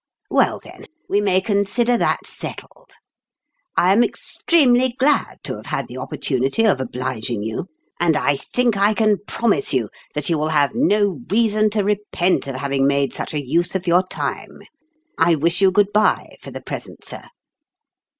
Well, then, we may consider that settled. I am extremely glad to have had the oppor tunity of obliging you ; and I think I can promise that you will have no reason to re pent of having made such a use of your time. I'll wish you good by for the present, sir